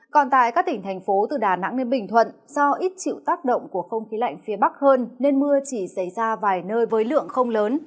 còn tại các tỉnh thành phố từ đà nẵng đến bình thuận do ít chịu tác động của không khí lạnh phía bắc hơn nên mưa chỉ xảy ra vài nơi với lượng không lớn